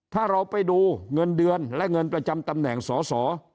ถ้าเราไปดูเงินเดือนและเงินประจำตำแหน่งสอสอ